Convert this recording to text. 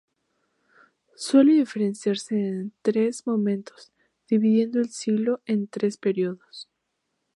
Suele diferenciarse en tres momentos, dividiendo el siglo en tres períodos.